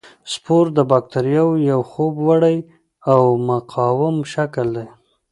سپور د باکتریاوو یو خوب وړی او مقاوم شکل دی.